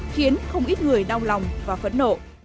khiến không ít người đau lòng và phấn nộ